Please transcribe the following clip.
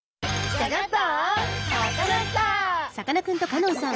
ギョギョッと！